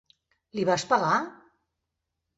Li vas pegar?